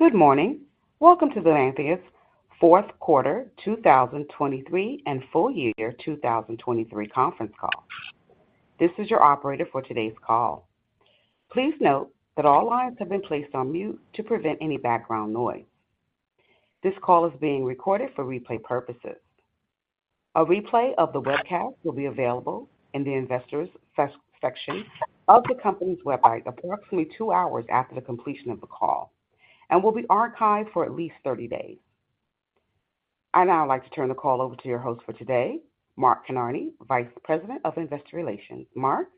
Good morning. Welcome to the Lantheus Fourth Quarter 2023 and Full Year 2023 Conference Call. This is your operator for today's call. Please note that all lines have been placed on mute to prevent any background noise. This call is being recorded for replay purposes. A replay of the webcast will be available in the investors' section of the company's website approximately two hours after the completion of the call, and will be archived for at least 30 days. I now like to turn the call over to your host for today, Mark Kinarney, Vice President of Investor Relations. Mark?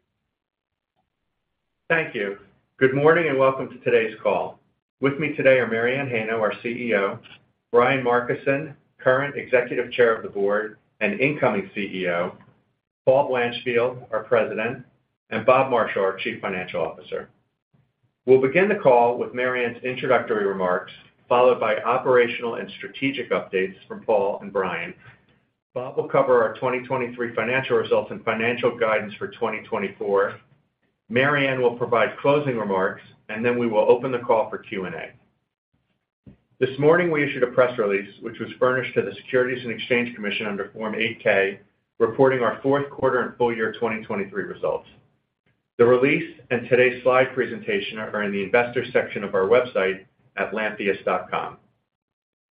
Thank you. Good morning and welcome to today's call. With me today are Mary Anne Heino, our CEO; Brian Markison, current Executive Chair of the Board and Incoming CEO; Paul Blanchfield, our President; and Bob Marshall, our Chief Financial Officer. We'll begin the call with Mary Anne's introductory remarks, followed by operational and strategic updates from Paul and Brian. Bob will cover our 2023 financial results and financial guidance for 2024. Mary Anne will provide closing remarks, and then we will open the call for Q&A. This morning we issued a press release, which was furnished to the Securities and Exchange Commission under Form 8-K, reporting our fourth quarter and full year 2023 results. The release and today's slide presentation are in the investors' section of our website at lantheus.com.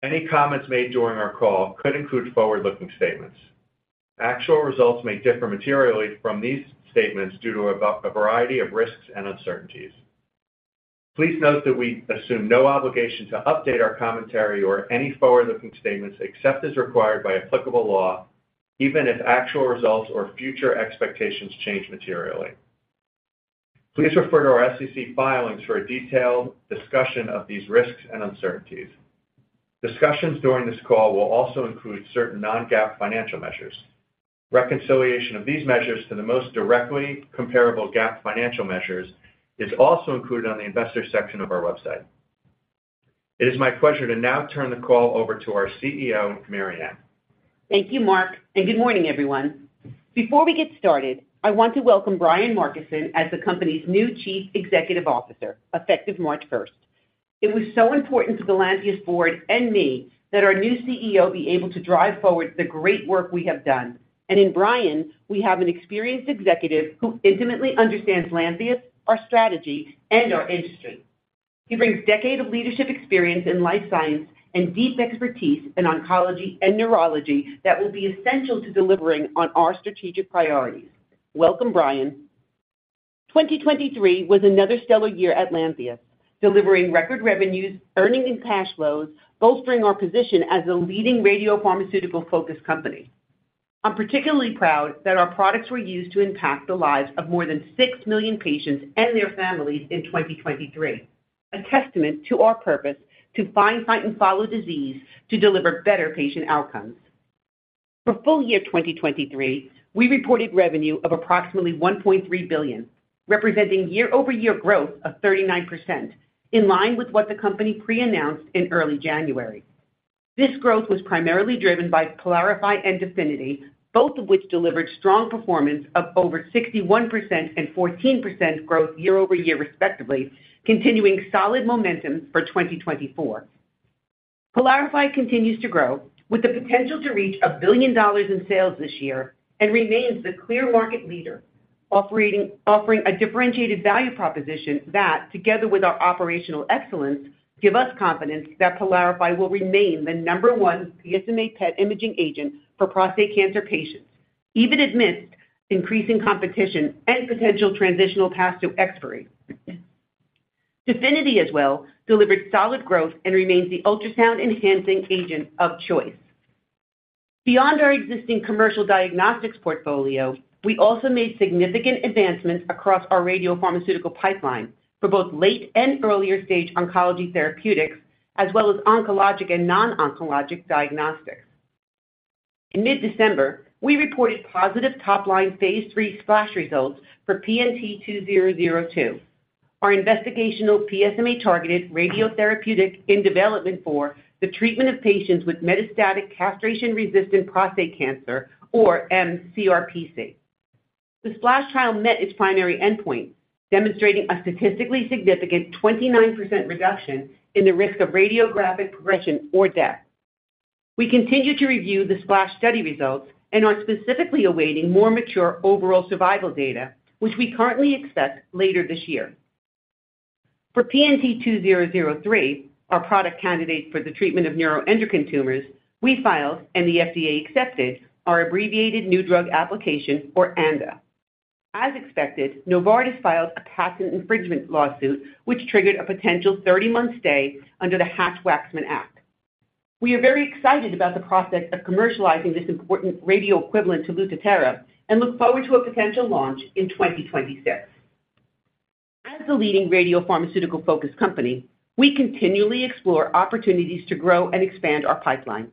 Any comments made during our call could include forward-looking statements. Actual results may differ materially from these statements due to a variety of risks and uncertainties. Please note that we assume no obligation to update our commentary or any forward-looking statements except as required by applicable law, even if actual results or future expectations change materially. Please refer to our SEC filings for a detailed discussion of these risks and uncertainties. Discussions during this call will also include certain non-GAAP financial measures. Reconciliation of these measures to the most directly comparable GAAP financial measures is also included on the investors' section of our website. It is my pleasure to now turn the call over to our CEO, Mary Anne. Thank you, Mark, and good morning, everyone. Before we get started, I want to welcome Brian Markison as the company's new Chief Executive Officer, effective March 1st. It was so important to the Lantheus Board and me that our new CEO be able to drive forward the great work we have done, and in Brian, we have an experienced executive who intimately understands Lantheus, our strategy, and our industry. He brings decades of leadership experience in life science and deep expertise in oncology and neurology that will be essential to delivering on our strategic priorities. Welcome, Brian. 2023 was another stellar year at Lantheus, delivering record revenues, earnings, and cash flows, bolstering our position as a leading radiopharmaceutical-focused company. I'm particularly proud that our products were used to impact the lives of more than six million patients and their families in 2023, a testament to our purpose to find, fight, and follow disease to deliver better patient outcomes. For full year 2023, we reported revenue of approximately $1.3 billion, representing year-over-year growth of 39%, in line with what the company pre-announced in early January. This growth was primarily driven by PYLARIFY and DEFINITY, both of which delivered strong performance of over 61% and 14% growth year-over-year, respectively, continuing solid momentum for 2024. PYLARIFY continues to grow, with the potential to reach $1 billion in sales this year, and remains the clear market leader, offering a differentiated value proposition that, together with our operational excellence, gives us confidence that PYLARIFY will remain the number one PSMA PET imaging agent for prostate cancer patients, even amidst increasing competition and potential transitional pass-through expiry. DEFINITY, as well, delivered solid growth and remains the ultrasound-enhancing agent of choice. Beyond our existing commercial diagnostics portfolio, we also made significant advancements across our radiopharmaceutical pipeline for both late and earlier-stage oncology therapeutics, as well as oncologic and non-oncologic diagnostics. In mid-December, we reported positive top-line phase III SPLASH results for PNT2002, our investigational PSMA-targeted radiotherapeutic in development for the treatment of patients with metastatic castration-resistant prostate cancer, or mCRPC. The SPLASH trial met its primary endpoint, demonstrating a statistically significant 29% reduction in the risk of radiographic progression or death. We continue to review the SPLASH study results and are specifically awaiting more mature overall survival data, which we currently expect later this year. For PNT2003, our product candidate for the treatment of neuroendocrine tumors, we filed and the FDA accepted our abbreviated new drug application, or ANDA. As expected, Novartis filed a patent infringement lawsuit, which triggered a potential 30-month stay under the Hatch-Waxman Act. We are very excited about the prospect of commercializing this important radio equivalent to LUTATHERA and look forward to a potential launch in 2026. As the leading radiopharmaceutical-focused company, we continually explore opportunities to grow and expand our pipeline.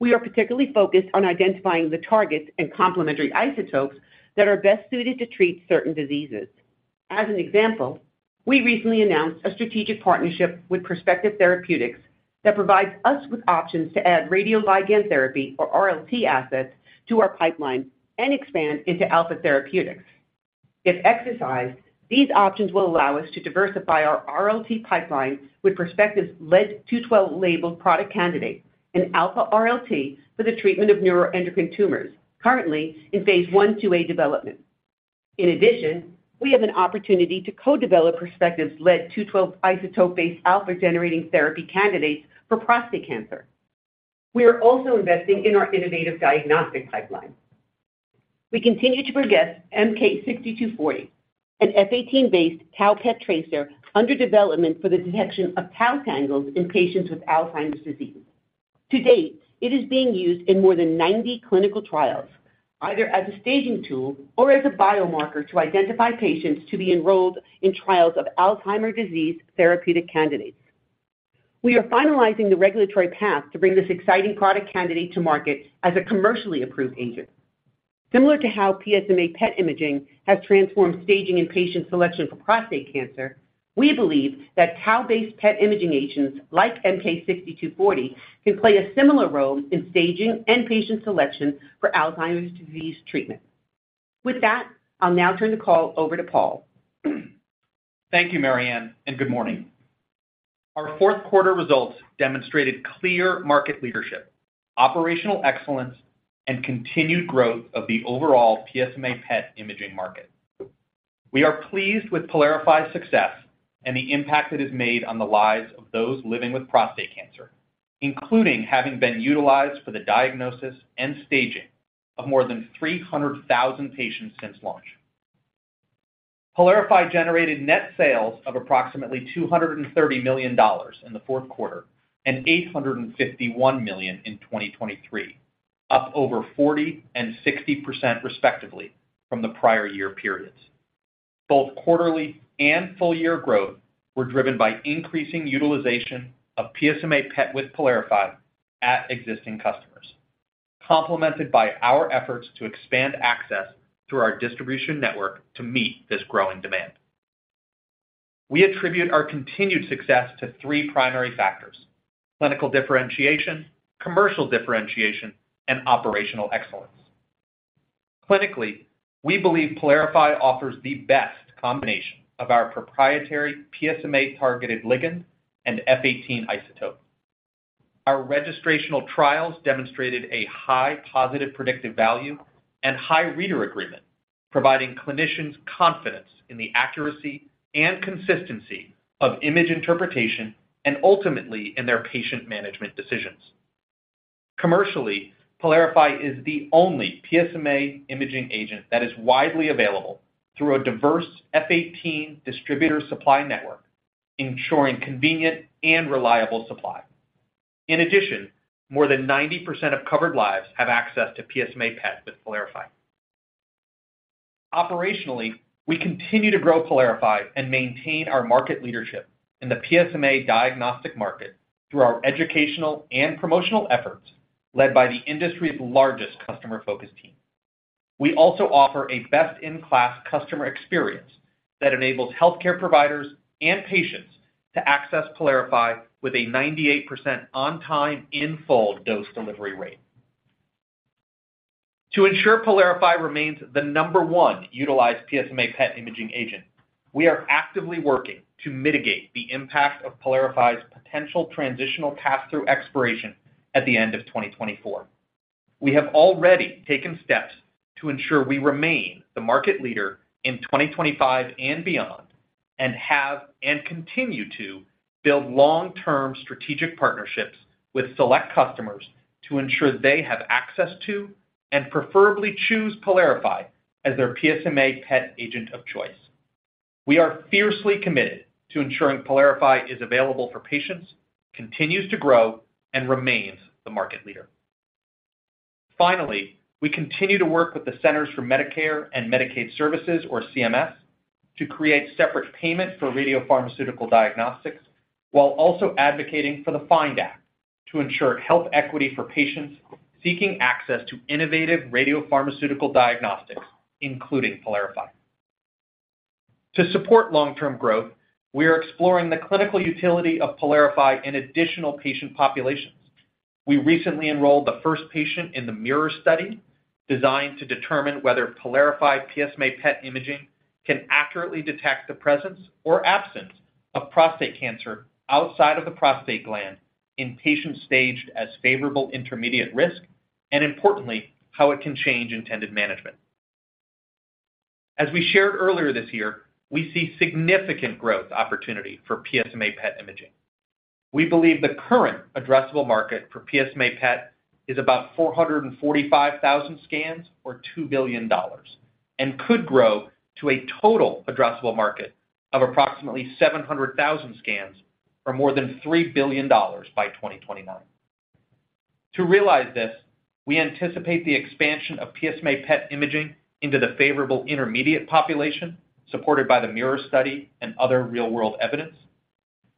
We are particularly focused on identifying the targets and complementary isotopes that are best suited to treat certain diseases. As an example, we recently announced a strategic partnership with Perspective Therapeutics that provides us with options to add radioligand therapy, or RLT, assets to our pipeline and expand into alpha therapeutics. If exercised, these options will allow us to diversify our RLT pipeline with Perspective's Lead-212-labeled product candidate, an alpha RLT for the treatment of neuroendocrine tumors, currently in phase I/IIa development. In addition, we have an opportunity to co-develop Perspective's Lead-212 isotope-based alpha-generating therapy candidates for prostate cancer. We are also investing in our innovative diagnostic pipeline. We continue to progress MK-6240, an F-18-based Tau PET tracer under development for the detection of Tau tangles in patients with Alzheimer's disease. To date, it is being used in more than 90 clinical trials, either as a staging tool or as a biomarker to identify patients to be enrolled in trials of Alzheimer's disease therapeutic candidates. We are finalizing the regulatory path to bring this exciting product candidate to market as a commercially approved agent. Similar to how PSMA PET imaging has transformed staging and patient selection for prostate cancer, we believe that Tau-based PET imaging agents like MK-6240 can play a similar role in staging and patient selection for Alzheimer's disease treatment. With that, I'll now turn the call over to Paul. Thank you, Mary Anne, and good morning. Our fourth quarter results demonstrated clear market leadership, operational excellence, and continued growth of the overall PSMA PET imaging market. We are pleased with PYLARIFY's success and the impact it has made on the lives of those living with prostate cancer, including having been utilized for the diagnosis and staging of more than 300,000 patients since launch. PYLARIFY generated net sales of approximately $230 million in the fourth quarter and $851 million in 2023, up over 40% and 60%, respectively, from the prior year periods. Both quarterly and full-year growth were driven by increasing utilization of PSMA PET with PYLARIFY at existing customers, complemented by our efforts to expand access through our distribution network to meet this growing demand. We attribute our continued success to three primary factors: clinical differentiation, commercial differentiation, and operational excellence. Clinically, we believe PYLARIFY offers the best combination of our proprietary PSMA-targeted ligand and F-18 isotope. Our registrational trials demonstrated a high positive predictive value and high reader agreement, providing clinicians confidence in the accuracy and consistency of image interpretation and ultimately in their patient management decisions. Commercially, PYLARIFY is the only PSMA imaging agent that is widely available through a diverse F-18 distributor supply network, ensuring convenient and reliable supply. In addition, more than 90% of covered lives have access to PSMA PET with PYLARIFY. Operationally, we continue to grow PYLARIFY and maintain our market leadership in the PSMA diagnostic market through our educational and promotional efforts led by the industry's largest customer-focused team. We also offer a best-in-class customer experience that enables healthcare providers and patients to access PYLARIFY with a 98% on-time, in-full dose delivery rate. To ensure PYLARIFY remains the number one utilized PSMA PET imaging agent, we are actively working to mitigate the impact of PYLARIFY's potential transitional pass-through expiration at the end of 2024. We have already taken steps to ensure we remain the market leader in 2025 and beyond and continue to build long-term strategic partnerships with select customers to ensure they have access to and preferably choose PYLARIFY as their PSMA PET agent of choice. We are fiercely committed to ensuring PYLARIFY is available for patients, continues to grow, and remains the market leader. Finally, we continue to work with the Centers for Medicare and Medicaid Services, or CMS, to create separate payment for radiopharmaceutical diagnostics while also advocating for the FIND Act to ensure health equity for patients seeking access to innovative radiopharmaceutical diagnostics, including PYLARIFY. To support long-term growth, we are exploring the clinical utility of PYLARIFY in additional patient populations. We recently enrolled the first patient in the MIRROR study designed to determine whether PYLARIFY PSMA PET imaging can accurately detect the presence or absence of prostate cancer outside of the prostate gland in patients staged as favorable intermediate risk and, importantly, how it can change intended management. As we shared earlier this year, we see significant growth opportunity for PSMA PET imaging. We believe the current addressable market for PSMA PET is about 445,000 scans, or $2 billion, and could grow to a total addressable market of approximately 700,000 scans for more than $3 billion by 2029. To realize this, we anticipate the expansion of PSMA PET imaging into the favorable intermediate population, supported by the MIRROR study and other real-world evidence.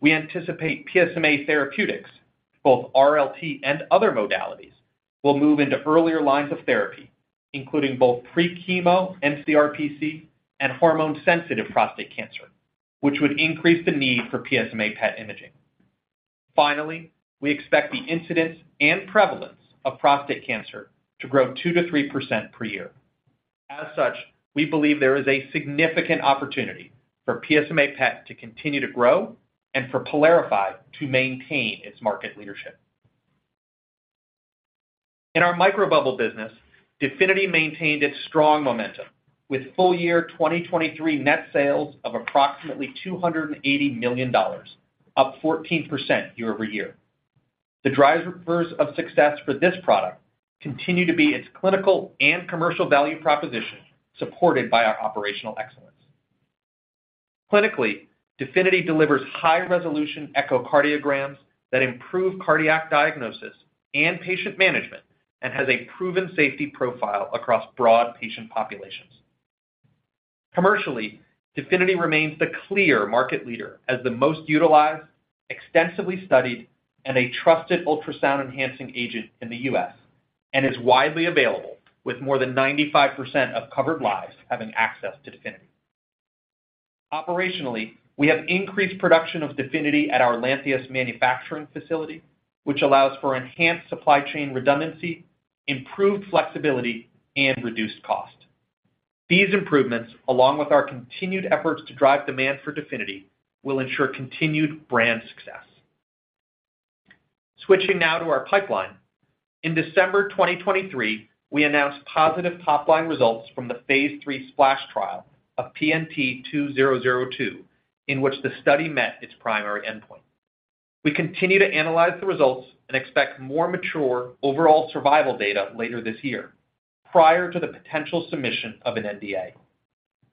We anticipate PSMA therapeutics, both RLT and other modalities, will move into earlier lines of therapy, including both pre-chemo, mCRPC, and hormone-sensitive prostate cancer, which would increase the need for PSMA PET imaging. Finally, we expect the incidence and prevalence of prostate cancer to grow 2% to 3% per year. As such, we believe there is a significant opportunity for PSMA PET to continue to grow and for PYLARIFY to maintain its market leadership. In our microbubble business, DEFINITY maintained its strong momentum with full year 2023 net sales of approximately $280 million, up 14% year-over-year. The drivers of success for this product continue to be its clinical and commercial value proposition, supported by our operational excellence. Clinically, DEFINITY delivers high-resolution echocardiograms that improve cardiac diagnosis and patient management and has a proven safety profile across broad patient populations. Commercially, DEFINITY remains the clear market leader as the most utilized, extensively studied, and a trusted ultrasound-enhancing agent in the U.S. and is widely available, with more than 95% of covered lives having access to DEFINITY. Operationally, we have increased production of DEFINITY at our Lantheus manufacturing facility, which allows for enhanced supply chain redundancy, improved flexibility, and reduced cost. These improvements, along with our continued efforts to drive demand for DEFINITY, will ensure continued brand success. Switching now to our pipeline, in December 2023, we announced positive top-line results from the phase III SPLASH trial of PNT2002, in which the study met its primary endpoint. We continue to analyze the results and expect more mature overall survival data later this year, prior to the potential submission of an NDA.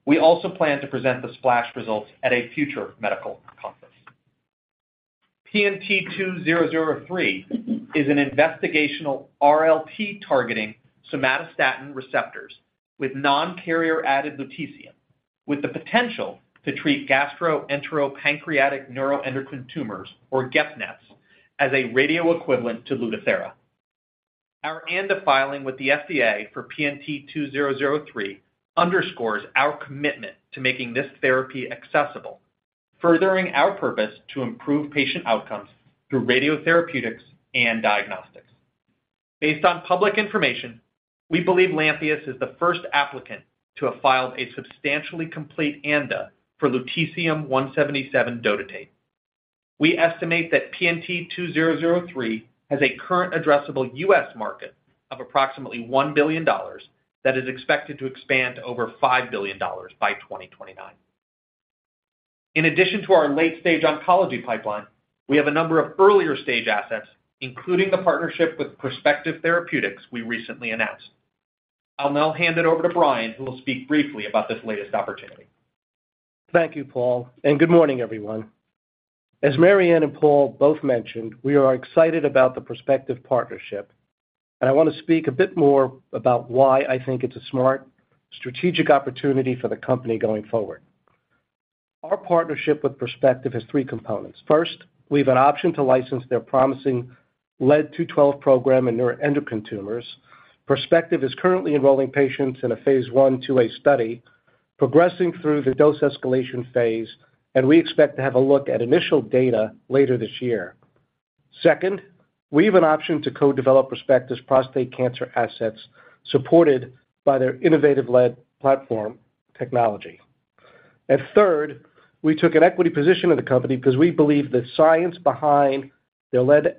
We also plan to present the SPLASH results at a future medical conference. PNT2003 is an investigational RLT-targeting somatostatin receptors with non-carrier-added lutetium, with the potential to treat gastroenteropancreatic neuroendocrine tumors, or GEP-NETs, as a radio equivalent to LUTATHERA. Our ANDA filing with the FDA for PNT2003 underscores our commitment to making this therapy accessible, furthering our purpose to improve patient outcomes through radiotherapeutics and diagnostics. Based on public information, we believe Lantheus is the first applicant to have filed a substantially complete ANDA for lutetium-177 Dotatate. We estimate that PNT2003 has a current addressable U.S. market of approximately $1 billion that is expected to expand over $5 billion by 2029. In addition to our late-stage oncology pipeline, we have a number of earlier-stage assets, including the partnership with Perspective Therapeutics we recently announced. I'll now hand it over to Brian, who will speak briefly about this latest opportunity. Thank you, Paul, and good morning, everyone. As Mary Anne and Paul both mentioned, we are excited about the Perspective partnership, and I want to speak a bit more about why I think it's a smart, strategic opportunity for the company going forward. Our partnership with Perspective has three components. First, we have an option to license their promising Lead-212 program in neuroendocrine tumors. Perspective is currently enrolling patients in a phase I/IIa study, progressing through the dose escalation phase, and we expect to have a look at initial data later this year. Second, we have an option to co-develop Perspective's prostate cancer assets, supported by their innovative Lead platform technology. Third, we took an equity position in the company because we believe the science behind their Pb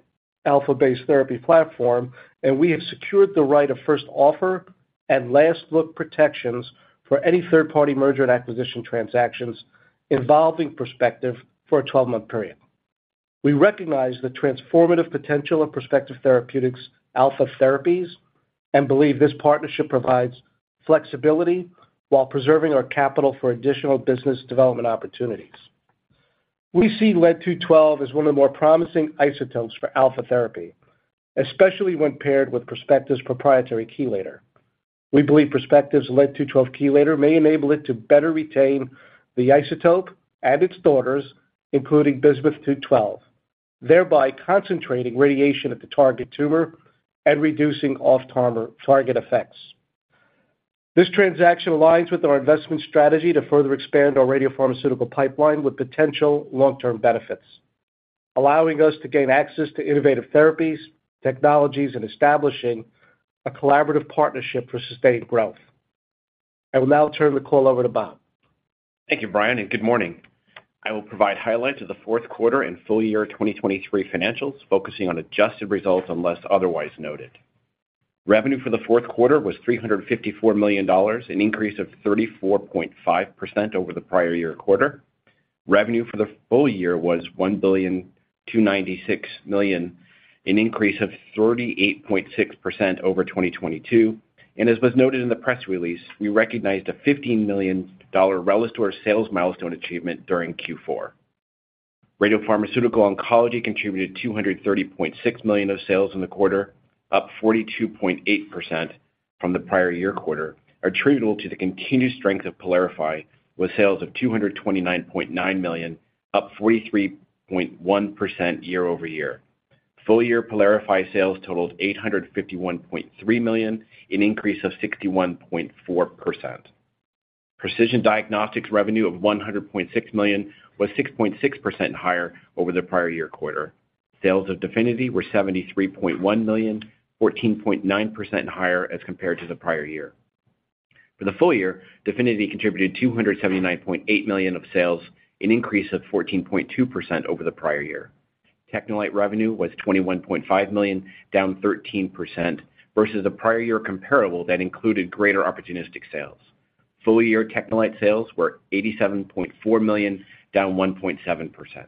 alpha-based therapy platform, and we have secured the right of first offer and last-look protections for any third-party merger and acquisition transactions involving Perspective for a 12-month period. We recognize the transformative potential of Perspective Therapeutics' alpha therapies and believe this partnership provides flexibility while preserving our capital for additional business development opportunities. We see Pb-212 as one of the more promising isotopes for alpha therapy, especially when paired with Perspective's proprietary chelator. We believe Perspective's Pb-212 chelator may enable it to better retain the isotope and its daughters, including Bismuth-212, thereby concentrating radiation at the target tumor and reducing off-target effects. This transaction aligns with our investment strategy to further expand our radiopharmaceutical pipeline with potential long-term benefits, allowing us to gain access to innovative therapies, technologies, and establishing a collaborative partnership for sustained growth. I will now turn the call over to Bob. Thank you, Brian, and good morning. I will provide highlights of the fourth quarter and full year 2023 financials, focusing on adjusted results unless otherwise noted. Revenue for the fourth quarter was $354 million, an increase of 34.5% over the prior year quarter. Revenue for the full year was $1,296 million, an increase of 38.6% over 2022. As was noted in the press release, we recognized a $15 million RELISTOR sales milestone achievement during Q4. Radiopharmaceutical oncology contributed $230.6 million of sales in the quarter, up 42.8% from the prior year quarter, attributable to the continued strength of PYLARIFY, with sales of $229.9 million, up 43.1% year-over-year. Full year PYLARIFY sales totaled $851.3 million, an increase of 61.4%. Precision diagnostics revenue of $100.6 million was 6.6% higher over the prior year quarter. Sales of DEFINITY were $73.1 million, 14.9% higher as compared to the prior year. For the full year, DEFINITY contributed $279.8 million of sales, an increase of 14.2% over the prior year. TechneLite revenue was $21.5 million, down 13%, versus a prior year comparable that included greater opportunistic sales. Full year TechneLite sales were $87.4 million, down 1.7%.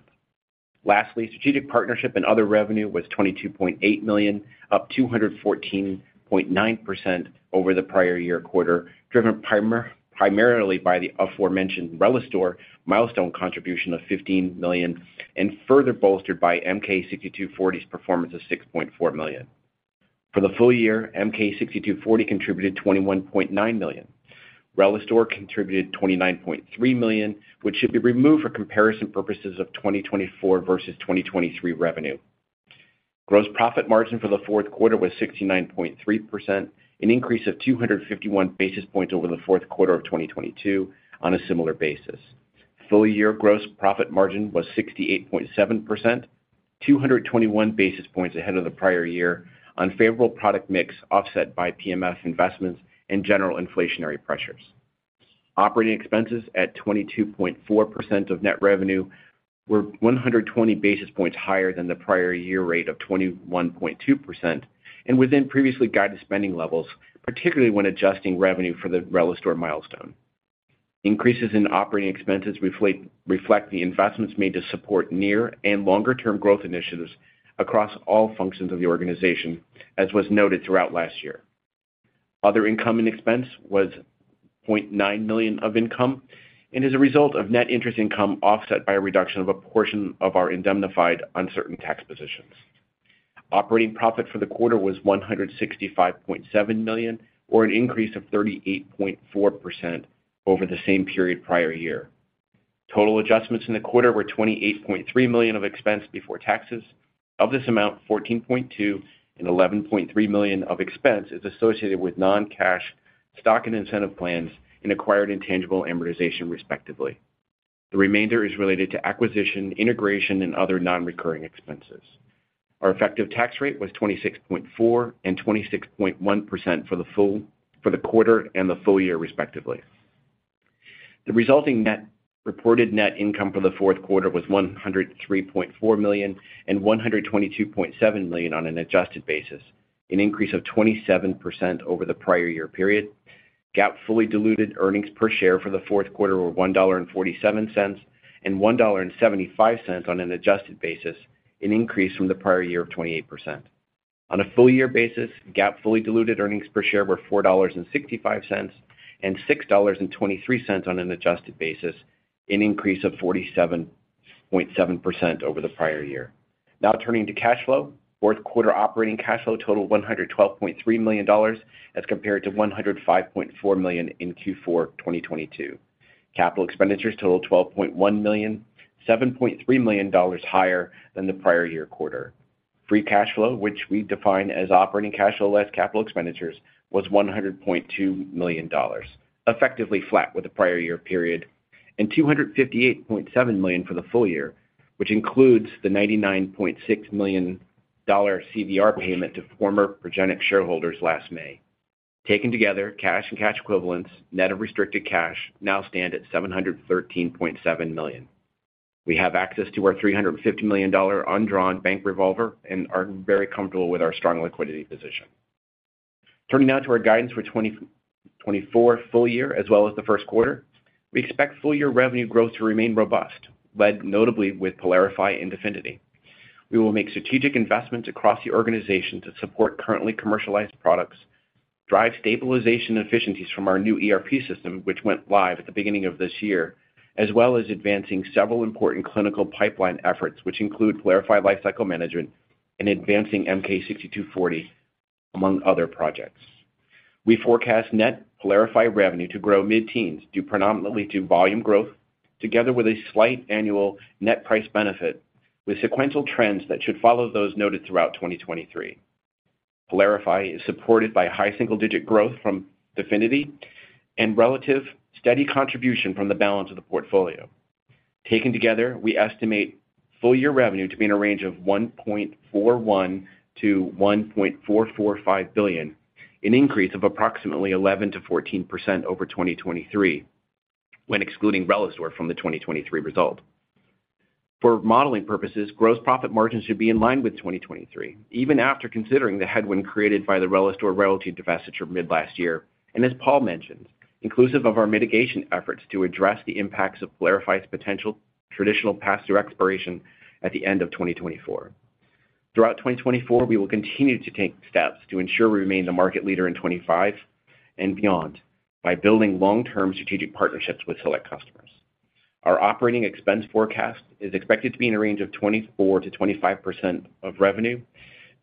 Lastly, strategic partnership and other revenue was $22.8 million, up 214.9% over the prior year quarter, driven primarily by the aforementioned RELISTOR milestone contribution of $15 million and further bolstered by MK-6240's performance of $6.4 million. For the full year, MK-6240 contributed $21.9 million. RELISTOR contributed $29.3 million, which should be removed for comparison purposes of 2024 versus 2023 revenue. Gross profit margin for the fourth quarter was 69.3%, an increase of 251 basis points over the fourth quarter of 2022 on a similar basis. Full year gross profit margin was 68.7%, 221 basis points ahead of the prior year on favorable product mix offset by P&F investments and general inflationary pressures. Operating expenses at 22.4% of net revenue were 120 basis points higher than the prior year rate of 21.2% and within previously guided spending levels, particularly when adjusting revenue for the RELISTOR milestone. Increases in operating expenses reflect the investments made to support near and longer-term growth initiatives across all functions of the organization, as was noted throughout last year. Other incoming expense was $0.9 million of income and is a result of net interest income offset by a reduction of a portion of our indemnified uncertain tax positions. Operating profit for the quarter was $165.7 million, or an increase of 38.4% over the same period prior year. Total adjustments in the quarter were $28.3 million of expense before taxes. Of this amount, $14.2 million and $11.3 million of expense is associated with non-cash stock and incentive plans and acquired intangible amortization, respectively. The remainder is related to acquisition, integration, and other non-recurring expenses. Our effective tax rate was 26.4% and 26.1% for the quarter and the full year, respectively. The resulting reported net income for the fourth quarter was $103.4 million and $122.7 million on an adjusted basis, an increase of 27% over the prior year period. GAAP fully diluted earnings per share for the fourth quarter were $1.47 and $1.75 on an adjusted basis, an increase from the prior year of 28%. On a full year basis, GAAP fully diluted earnings per share were $4.65 and $6.23 on an adjusted basis, an increase of 47.7% over the prior year. Now turning to cash flow, fourth quarter operating cash flow totaled $112.3 million as compared to $105.4 million in Q4 2022. Capital expenditures totaled $12.1 million, $7.3 million higher than the prior year quarter. Free cash flow, which we define as operating cash flow less capital expenditures, was $100.2 million, effectively flat with the prior year period, and $258.7 million for the full year, which includes the $99.6 million CVR payment to former Progenics shareholders last May. Taken together, cash and cash equivalents, net of restricted cash, now stand at $713.7 million. We have access to our $350 million undrawn bank revolver and are very comfortable with our strong liquidity position. Turning now to our guidance for 2024 full year as well as the first quarter, we expect full year revenue growth to remain robust, led notably with PYLARIFY and DEFINITY. We will make strategic investments across the organization to support currently commercialized products, drive stabilization efficiencies from our new ERP system, which went live at the beginning of this year, as well as advancing several important clinical pipeline efforts, which include PYLARIFY lifecycle management and advancing MK-6240, among other projects. We forecast net PYLARIFY revenue to grow mid-teens predominantly due to volume growth, together with a slight annual net price benefit, with sequential trends that should follow those noted throughout 2023. PYLARIFY is supported by high single-digit growth from DEFINITY and relative, steady contribution from the balance of the portfolio. Taken together, we estimate full year revenue to be in a range of $1.41 to $1.445 billion, an increase of approximately 11% to 14% over 2023 when excluding RELISTOR from the 2023 result. For modeling purposes, gross profit margins should be in line with 2023, even after considering the headwind created by the RELISTOR royalty divestiture mid-last year and, as Paul mentioned, inclusive of our mitigation efforts to address the impacts of PYLARIFY's potential TPT expiration at the end of 2024. Throughout 2024, we will continue to take steps to ensure we remain the market leader in 2025 and beyond by building long-term strategic partnerships with select customers. Our operating expense forecast is expected to be in a range of 24%-25% of revenue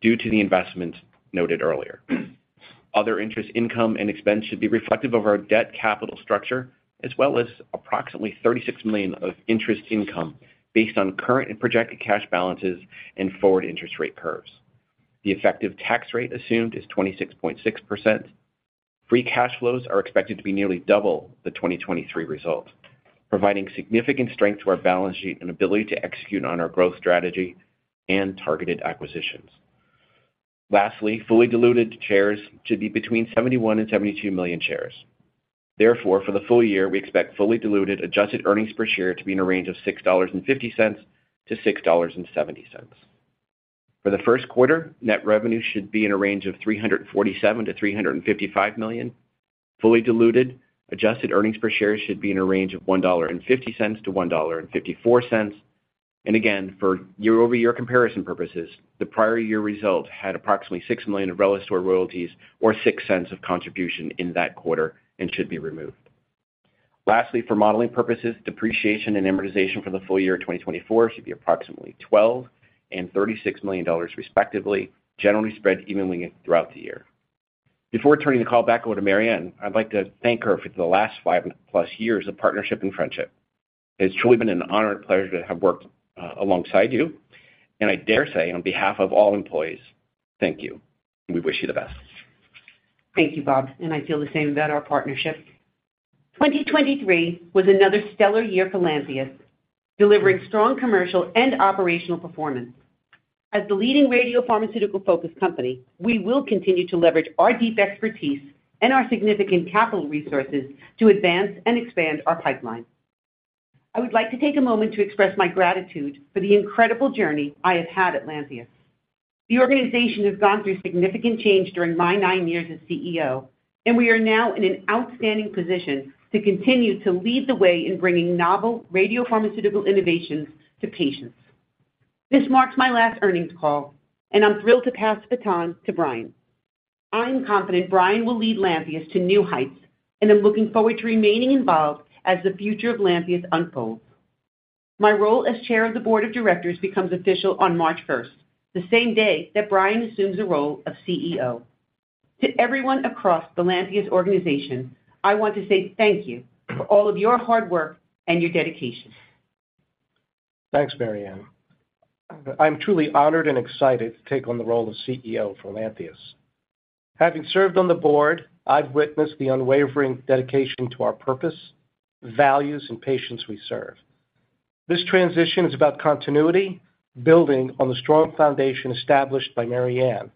due to the investments noted earlier. Other interest income and expense should be reflective of our debt capital structure, as well as approximately $36 million of interest income based on current and projected cash balances and forward interest rate curves. The effective tax rate assumed is 26.6%. Free cash flows are expected to be nearly double the 2023 result, providing significant strength to our balance sheet and ability to execute on our growth strategy and targeted acquisitions. Lastly, fully diluted shares should be between 71 and 72 million shares. Therefore, for the full year, we expect fully diluted adjusted earnings per share to be in a range of $6.50-$6.70. For the first quarter, net revenue should be in a range of $347-$355 million. Fully diluted adjusted earnings per share should be in a range of $1.50-$1.54. And again, for year-over-year comparison purposes, the prior year result had approximately $6 million of RELISTOR royalties or $0.06 of contribution in that quarter and should be removed. Lastly, for modeling purposes, depreciation and amortization for the full year 2024 should be approximately $12 million and $36 million, respectively, generally spread evenly throughout the year. Before turning the call back over to Mary Anne, I'd like to thank her for the last 5+ years of partnership and friendship. It has truly been an honor and pleasure to have worked alongside you. And I dare say, on behalf of all employees, thank you. We wish you the best. Thank you, Bob. I feel the same about our partnership. 2023 was another stellar year for Lantheus, delivering strong commercial and operational performance. As the leading radiopharmaceutical-focused company, we will continue to leverage our deep expertise and our significant capital resources to advance and expand our pipeline. I would like to take a moment to express my gratitude for the incredible journey I have had at Lantheus. The organization has gone through significant change during my nine years as CEO, and we are now in an outstanding position to continue to lead the way in bringing novel radio-pharmaceutical innovations to patients. This marks my last earnings call, and I'm thrilled to pass the baton to Brian. I'm confident Brian will lead Lantheus to new heights, and I'm looking forward to remaining involved as the future of Lantheus unfolds. My role as chair of the board of directors becomes official on March 1st, the same day that Brian assumes the role of CEO. To everyone across the Lantheus organization, I want to say thank you for all of your hard work and your dedication. Thanks, Mary Anne. I'm truly honored and excited to take on the role of CEO for Lantheus. Having served on the board, I've witnessed the unwavering dedication to our purpose, values, and patients we serve. This transition is about continuity, building on the strong foundation established by Mary Anne,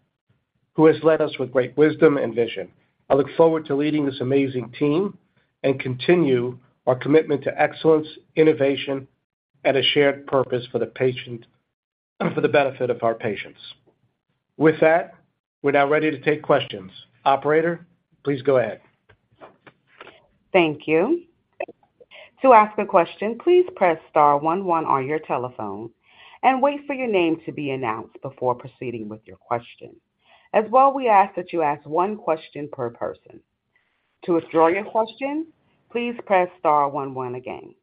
who has led us with great wisdom and vision. I look forward to leading this amazing team and continue our commitment to excellence, innovation, and a shared purpose for the benefit of our patients. With that, we're now ready to take questions. Operator, please go ahead. Thank you. To ask a question, please press star 11 on your telephone and wait for your name to be announced before proceeding with your question. As well, we ask that you ask one question per person. To withdraw your question, please press star 11 again.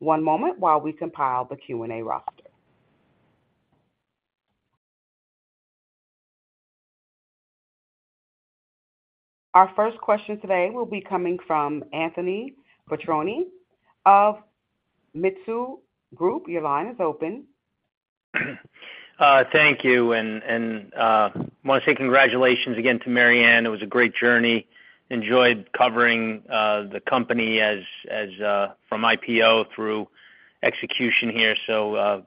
One moment while we compile the Q&A roster. Our first question today will be coming from Anthony Petrone of Mizuho. Your line is open. Thank you. I want to say congratulations again to Mary Anne. It was a great journey. Enjoyed covering the company from IPO through execution here.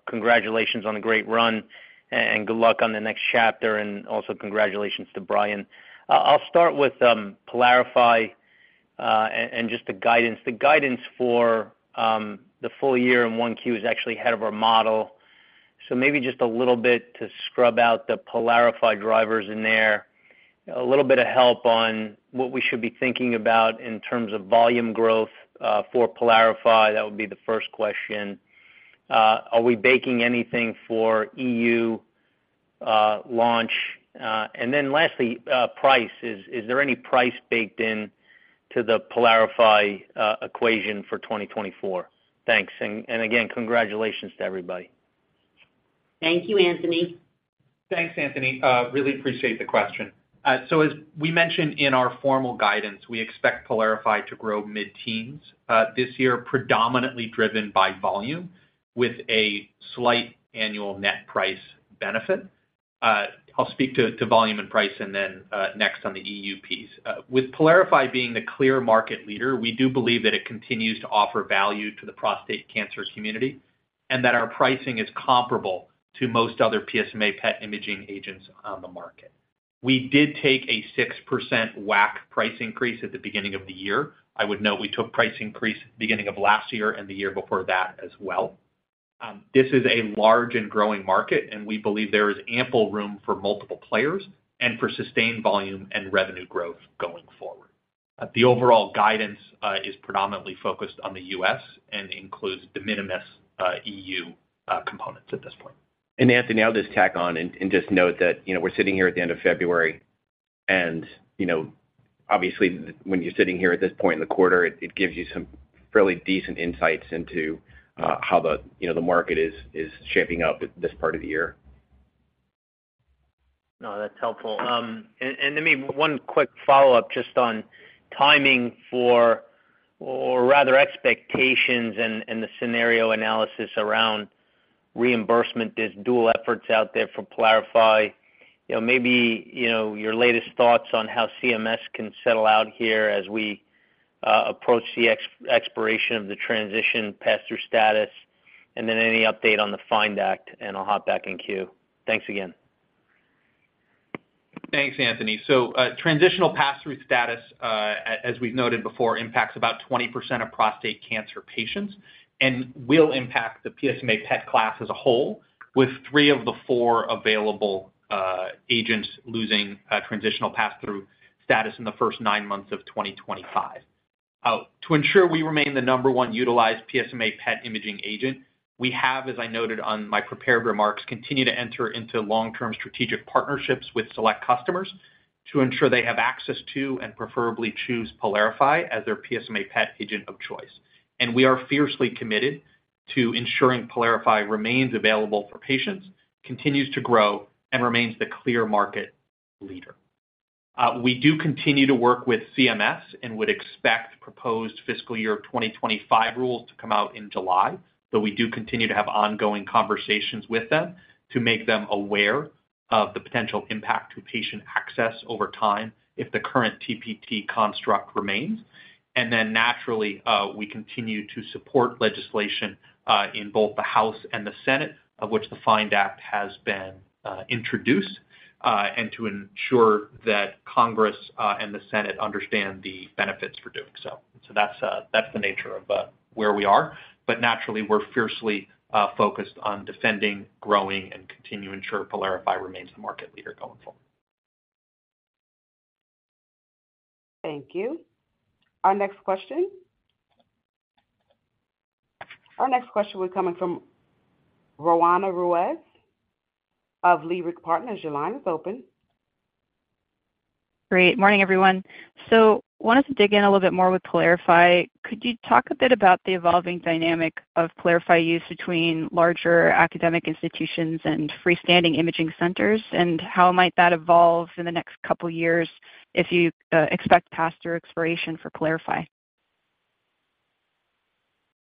Congratulations on the great run, and good luck on the next chapter. Also congratulations to Brian. I'll start with PYLARIFY and just the guidance. The guidance for the full year and Q1 is actually ahead of our model. Maybe just a little bit to scrub out the PYLARIFY drivers in there, a little bit of help on what we should be thinking about in terms of volume growth for PYLARIFY. That would be the first question. Are we baking anything for EU launch? And then lastly, price. Is there any price baked into the PYLARIFY equation for 2024? Thanks. Again, congratulations to everybody. Thank you, Anthony. Thanks, Anthony. Really appreciate the question. So as we mentioned in our formal guidance, we expect PYLARIFY to grow mid-teens this year, predominantly driven by volume with a slight annual net price benefit. I'll speak to volume and price and then next on the EU piece. With PYLARIFY being the clear market leader, we do believe that it continues to offer value to the prostate cancer community and that our pricing is comparable to most other PSMA PET imaging agents on the market. We did take a 6% WAC price increase at the beginning of the year. I would note we took price increase at the beginning of last year and the year before that as well. This is a large and growing market, and we believe there is ample room for multiple players and for sustained volume and revenue growth going forward. The overall guidance is predominantly focused on the U.S. and includes de minimis EU components at this point. Anthony, I'll just tack on and just note that we're sitting here at the end of February. Obviously, when you're sitting here at this point in the quarter, it gives you some fairly decent insights into how the market is shaping up at this part of the year. No, that's helpful. And let me one quick follow-up just on timing for or rather expectations and the scenario analysis around reimbursement. There's dual efforts out there for PYLARIFY. Maybe your latest thoughts on how CMS can settle out here as we approach the expiration of the transitional pass-through status, and then any update on the FIND Act. And I'll hop back in Q. Thanks again. Thanks, Anthony. So transitional pass-through status, as we've noted before, impacts about 20% of prostate cancer patients and will impact the PSMA PET class as a whole, with three of the four available agents losing transitional pass-through status in the first nine months of 2025. To ensure we remain the number one utilized PSMA PET imaging agent, we have, as I noted on my prepared remarks, continued to enter into long-term strategic partnerships with select customers to ensure they have access to and preferably choose PYLARIFY as their PSMA PET agent of choice. And we are fiercely committed to ensuring PYLARIFY remains available for patients, continues to grow, and remains the clear market leader. We do continue to work with CMS and would expect proposed fiscal year 2025 rules to come out in July, though we do continue to have ongoing conversations with them to make them aware of the potential impact to patient access over time if the current TPT construct remains. And then naturally, we continue to support legislation in both the House and the Senate, of which the FIND Act has been introduced, and to ensure that Congress and the Senate understand the benefits for doing so. So that's the nature of where we are. But naturally, we're fiercely focused on defending, growing, and continuing to ensure PYLARIFY remains the market leader going forward. Thank you. Our next question will be coming from Roanna Ruiz of Leerink Partners. Your line is open. Good morning, everyone. So I wanted to dig in a little bit more with PYLARIFY. Could you talk a bit about the evolving dynamic of PYLARIFY use between larger academic institutions and freestanding imaging centers, and how might that evolve in the next couple of years if you expect pass-through expiration for PYLARIFY?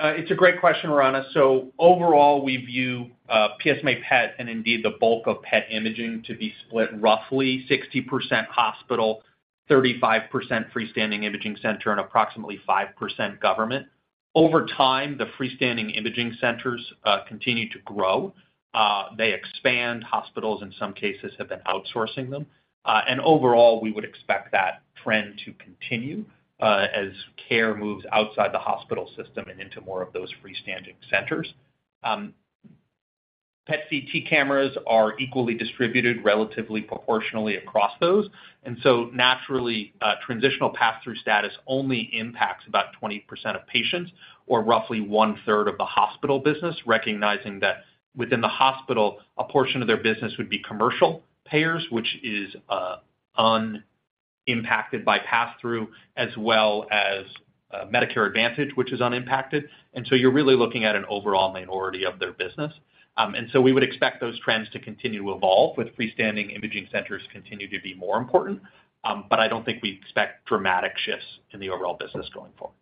It's a great question, Roanna. So overall, we view PSMA PET and indeed the bulk of PET imaging to be split roughly 60% hospital, 35% freestanding imaging center, and approximately 5% government. Over time, the freestanding imaging centers continue to grow. They expand. Hospitals, in some cases, have been outsourcing them. Overall, we would expect that trend to continue as care moves outside the hospital system and into more of those freestanding centers. PET/CT cameras are equally distributed relatively proportionally across those. So naturally, transitional pass-through status only impacts about 20% of patients or roughly one-third of the hospital business, recognizing that within the hospital, a portion of their business would be commercial payers, which is unimpacted by pass-through, as well as Medicare Advantage, which is unimpacted. So you're really looking at an overall minority of their business. We would expect those trends to continue to evolve, with freestanding imaging centers continuing to be more important. I don't think we expect dramatic shifts in the overall business going forward.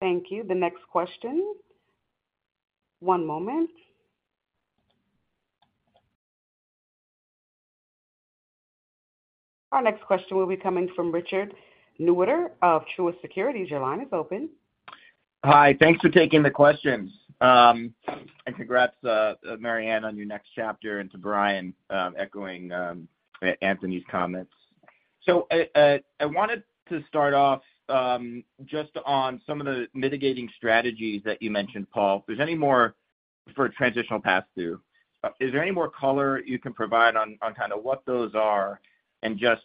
Thank you. The next question. One moment. Our next question will be coming from Richard Newitter of Truist Securities. Your line is open. Hi. Thanks for taking the questions. And congrats, Mary Anne, on your next chapter, and to Brian echoing Anthony's comments. So I wanted to start off just on some of the mitigating strategies that you mentioned, Paul. If there's any more for transitional pass-through, is there any more color you can provide on kind of what those are? And just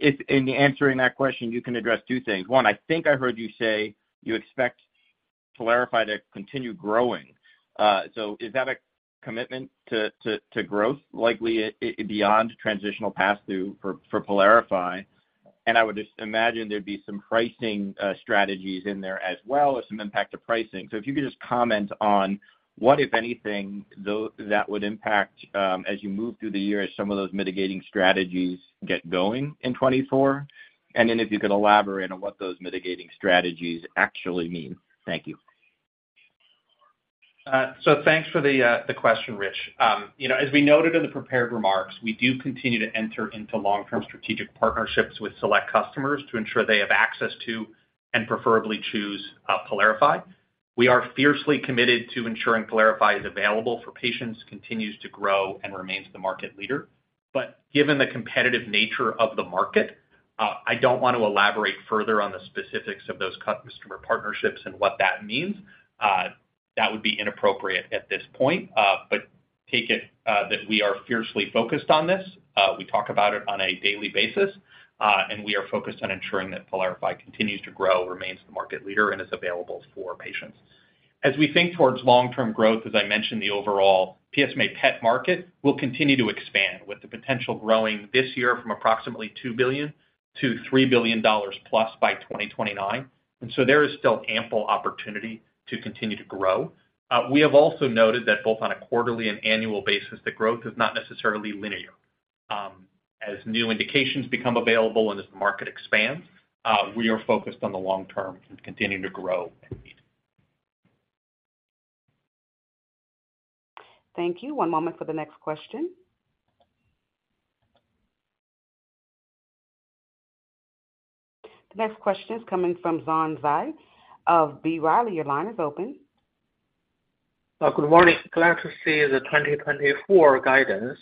in answering that question, you can address two things. One, I think I heard you say you expect PYLARIFY to continue growing. So is that a commitment to growth, likely beyond transitional pass-through for PYLARIFY? And I would just imagine there'd be some pricing strategies in there as well or some impact to pricing. If you could just comment on what, if anything, that would impact as you move through the year as some of those mitigating strategies get going in 2024, and then if you could elaborate on what those mitigating strategies actually mean. Thank you. So thanks for the question, Rich. As we noted in the prepared remarks, we do continue to enter into long-term strategic partnerships with select customers to ensure they have access to and preferably choose PYLARIFY. We are fiercely committed to ensuring PYLARIFY is available for patients, continues to grow, and remains the market leader. But given the competitive nature of the market, I don't want to elaborate further on the specifics of those customer partnerships and what that means. That would be inappropriate at this point. But take it that we are fiercely focused on this. We talk about it on a daily basis, and we are focused on ensuring that PYLARIFY continues to grow, remains the market leader, and is available for patients. As we think towards long-term growth, as I mentioned, the overall PSMA PET market will continue to expand with the potential growing this year from approximately $2 billion to $3 billion+ by 2029. And so there is still ample opportunity to continue to grow. We have also noted that both on a quarterly and annual basis, the growth is not necessarily linear. As new indications become available and as the market expands, we are focused on the long term and continuing to grow and need. Thank you. One moment for the next question. The next question is coming from Yuan Zhi of B. Riley. Your line is open. Good morning. Glad to see the 2024 guidance.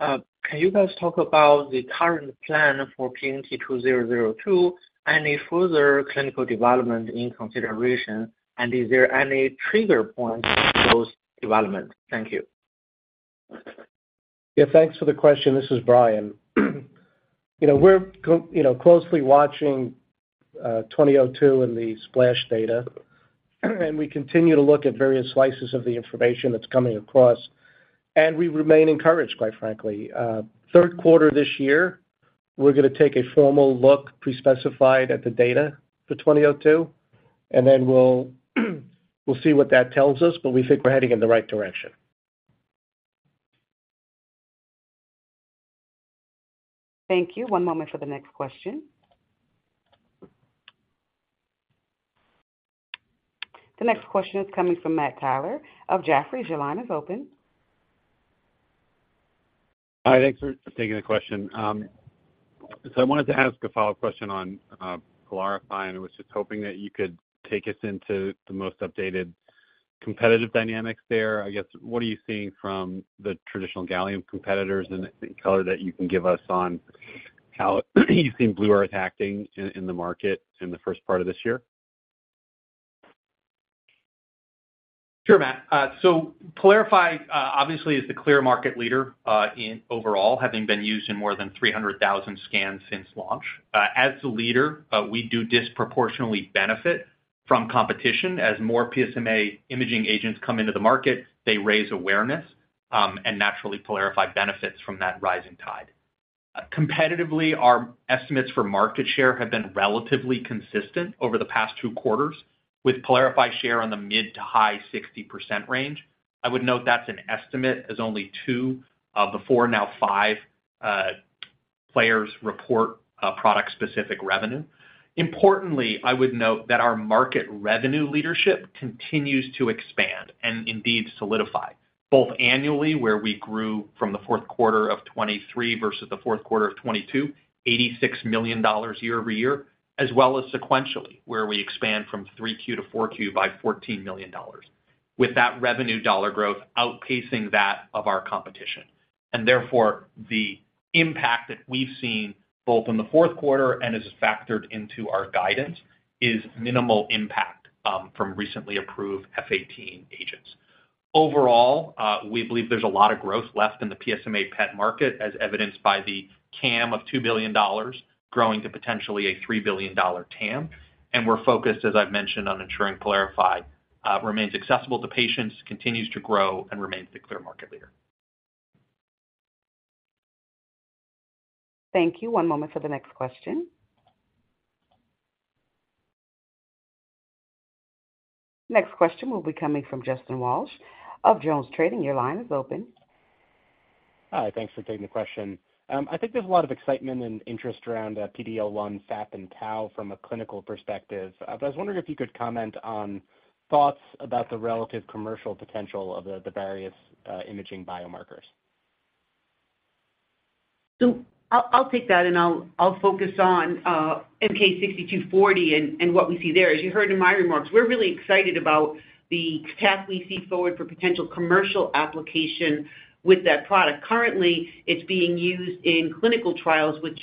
Can you guys talk about the current plan for PNT2002, any further clinical development in consideration, and is there any trigger point for those developments? Thank you. Yeah. Thanks for the question. This is Brian. We're closely watching 2002 and the SPLASH data, and we continue to look at various slices of the information that's coming across. We remain encouraged, quite frankly. Third quarter this year, we're going to take a formal look pre-specified at the data for 2002, and then we'll see what that tells us. We think we're heading in the right direction. Thank you. One moment for the next question. The next question is coming from Matt Taylor of Jefferies. Your line is open. Hi. Thanks for taking the question. So I wanted to ask a follow-up question on PYLARIFY, and I was just hoping that you could take us into the most updated competitive dynamics there. I guess, what are you seeing from the traditional Gallium competitors? And I think, color, that you can give us on how you've seen Blue Earth acting in the market in the first part of this year. Sure, Matt. So PYLARIFY, obviously, is the clear market leader overall, having been used in more than 300,000 scans since launch. As the leader, we do disproportionately benefit from competition. As more PSMA imaging agents come into the market, they raise awareness, and naturally, PYLARIFY benefits from that rising tide. Competitively, our estimates for market share have been relatively consistent over the past two quarters, with PYLARIFY share in the mid- to high-60% range. I would note that's an estimate as only two of the four, now five players report product-specific revenue. Importantly, I would note that our market revenue leadership continues to expand and indeed solidify, both annually, where we grew from the fourth quarter of 2023 versus the fourth quarter of 2022, $86 million year-over-year, as well as sequentially, where we expand from 3Q to 4Q by $14 million, with that revenue dollar growth outpacing that of our competition. Therefore, the impact that we've seen both in the fourth quarter and as it's factored into our guidance is minimal impact from recently approved F-18 agents. Overall, we believe there's a lot of growth left in the PSMA PET market, as evidenced by the CAM of $2 billion growing to potentially a $3 billion TAM. We're focused, as I've mentioned, on ensuring PYLARIFY remains accessible to patients, continues to grow, and remains the clear market leader. Thank you. One moment for the next question. Next question will be coming from Justin Walsh of Jones Trading. Your line is open. Hi. Thanks for taking the question. I think there's a lot of excitement and interest around PD-L1 FAP and Tau from a clinical perspective. But I was wondering if you could comment on thoughts about the relative commercial potential of the various imaging biomarkers. So I'll take that, and I'll focus on MK-6240 and what we see there. As you heard in my remarks, we're really excited about the path we see forward for potential commercial application with that product. Currently, it's being used in clinical trials, which